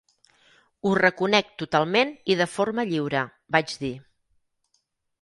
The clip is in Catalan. "Ho reconec totalment i de forma lliure", vaig dir.